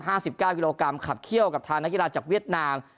สิบเก้ากิโลกรัมขับเขี้ยวกับทางนักกีฬาจากเวียดนาม